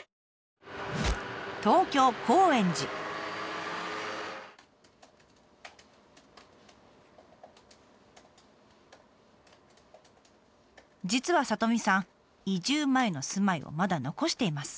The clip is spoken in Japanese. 東京実は里美さん移住前の住まいをまだ残しています。